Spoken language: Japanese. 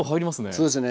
そうですね。